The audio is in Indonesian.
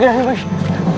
dengan bidang masa